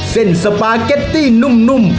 เส้นสปาเกตตี้นุ่ม